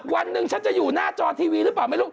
วันหนึ่งฉันจะอยู่หน้าจอทีวีหรือเปล่าไม่รู้